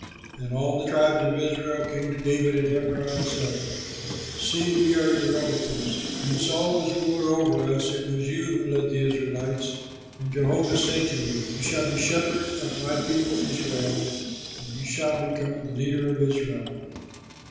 Then all the tribes of Israel came to David at Hebron and said, "See, we are your relatives. When Saul was ruler over us, it was you who led the Israelites, and Jehovah has said to you, 'You shall be shepherd of my people Israel, and you shall become the leader of Israel.'"